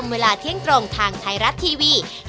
วันอาทิตย์